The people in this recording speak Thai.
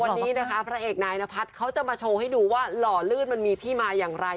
วันนี้นะคะพระเอกนายนพัฒน์เขาจะมาโชว์ให้ดูว่าหล่อลื่นมันมีที่มาอย่างไร